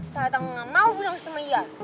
tata gak mau berang sama ian